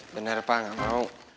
bener papa nggak mau